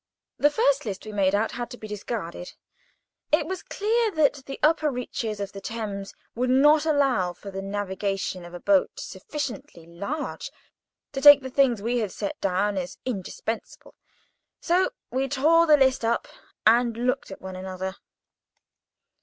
The first list we made out had to be discarded. It was clear that the upper reaches of the Thames would not allow of the navigation of a boat sufficiently large to take the things we had set down as indispensable; so we tore the list up, and looked at one another!